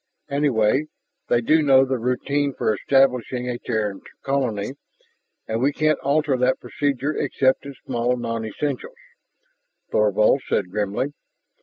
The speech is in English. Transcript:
Anyway, they do know the routine for establishing a Terran colony, and we can't alter that procedure except in small nonessentials," Thorvald said grimly.